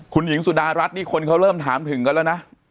คุณหญิงสุดารัฐนี่คนเขาเริ่มถามถึงกันแล้วนะ